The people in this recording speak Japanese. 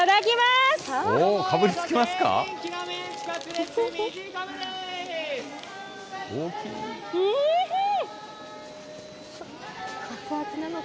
かぶりつきますか？